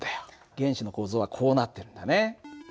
原子の構造はこうなってるんだね。